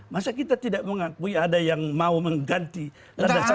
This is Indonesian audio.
masa kita tidak mengakui ada yang mau mengganti radha sampan dasar